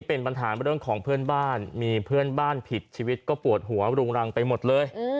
เป็นปัญหาเรื่องของเพื่อนบ้านมีเพื่อนบ้านผิดชีวิตก็ปวดหัวรุงรังไปหมดเลย